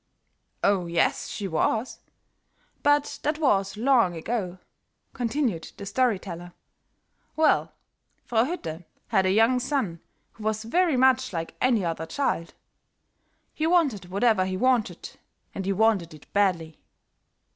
"Oh, yes, she was; but that was long ago," continued the story teller. "Well, Frau Hütte had a young son who was very much like any other little child; he wanted whatever he wanted, and he wanted it badly.